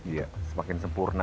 ya semakin sempurna